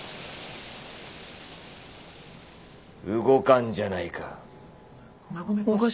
動かんじゃないか。